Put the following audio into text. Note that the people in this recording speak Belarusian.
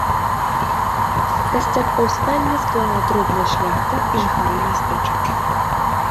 Касцяк паўстання склала дробная шляхта і жыхары мястэчак.